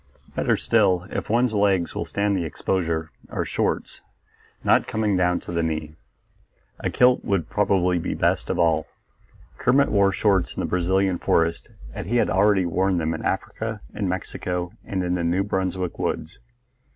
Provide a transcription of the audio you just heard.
Better still, if one's legs will stand the exposure, are shorts, not coming down to the knee. A kilt would probably be best of all. Kermit wore shorts in the Brazilian forest, as he had already worn them in Africa, in Mexico, and in the New Brunswick woods.